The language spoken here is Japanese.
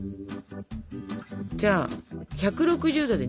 じゃあ１６０℃で２３分。